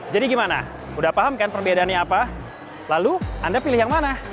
jadi gimana udah paham kan perbedaannya apa lalu anda pilih yang mana